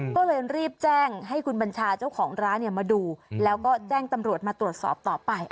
ก็เลยรีบแจ้งให้คุณบัญชาเจ้าของร้านมาดูแล้วก็แจ้งตำรวจมาตรวจสอบต่อไป